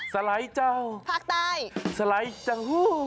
สไลเจ้าภาคใต้สไลเจ้า